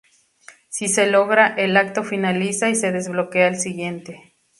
Si se logra, el acto finaliza y se desbloquea el siguiente.